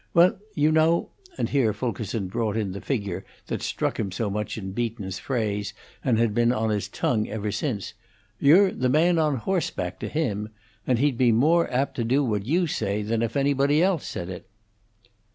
Well, you know" and here Fulkerson brought in the figure that struck him so much in Beaton's phrase and had been on his tongue ever since "you're the man on horseback to him; and he'd be more apt to do what you say than if anybody else said it."